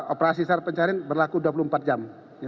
operasi sar pencarian berlaku dua puluh empat jam